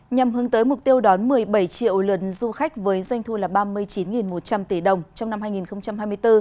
nhằm hướng tới mục tiêu đón một mươi bảy triệu lượt du khách với doanh thu là ba mươi chín một trăm linh tỷ đồng trong năm hai nghìn hai mươi bốn